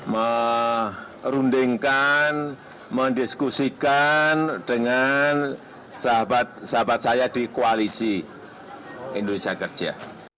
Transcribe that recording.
merundingkan mendiskusikan dengan sahabat sahabat saya di koalisi indonesia kerja